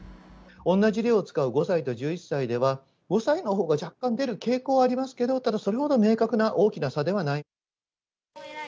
同じ量を使う５歳と１１歳では、５歳のほうが若干出る傾向はありますけど、ただそれほど明確な、大きな差ではない。